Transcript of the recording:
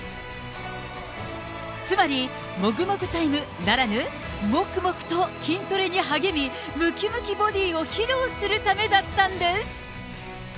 つまりもぐもぐタイムならぬ、もくもくと筋トレに励み、むきむきボディを披露するためだったんです。